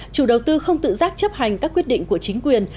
chủ đầu tư không tự giác chấp hành các quyết định của chính quyền